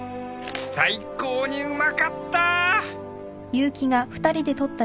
「最高に美味かった！！！」